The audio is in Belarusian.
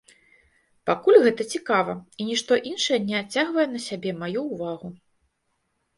Пакуль гэта цікава, і нішто іншае не адцягвае на сябе маю ўвагу.